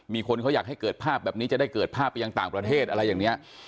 มีคนเขาอยากให้เกิดภาพแบบนี้จะได้เกิดภาพไปยังต่างประเทศอะไรอย่างนี้